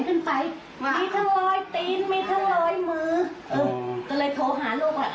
ขึ้นไปมีทั้งรอยติ๊นมีทั้งรอยมืออืมเลยโทรหาโรคล่ะอ้าว